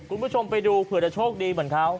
คุณผู้ชมไปดูเผื่อจะโชคดีเหมือนเขา